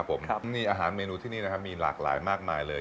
ผมนี่อาหารเมนูที่นี่นะครับมีหลากหลายมากมายเลย